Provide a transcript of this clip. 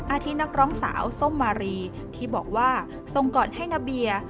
ที่นักร้องสาวส้มมารีที่บอกว่าทรงก่อนให้นาเบีย